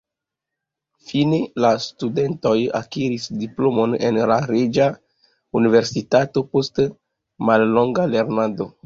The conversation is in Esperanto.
Fine la studentoj akiris diplomon en la Reĝa Universitato post mallonga lernado.